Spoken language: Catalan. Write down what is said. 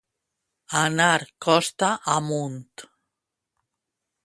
Anar costa amunt.